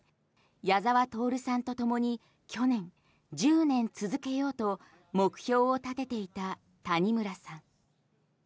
矢沢透さんとともに去年、１０年続けようと目標を立てていた谷村さん。